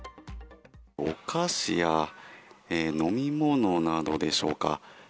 お菓子や飲み物などでしょうか。